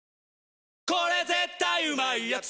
「日清これ絶対うまいやつ」